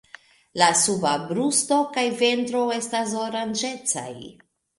La suba brusto kaj ventro estas oranĝecaj.